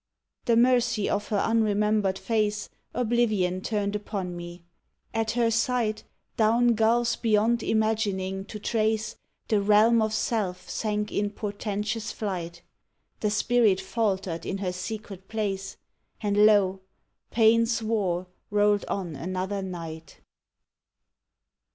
The mercy of her unremembered face Oblivion turned upon me. At her sight, Down gulfs beyond imagining to trace, The realm of self sank in portentous flight; The Spirit faltered in her secret place; And lo! Pain's war rolled on another night!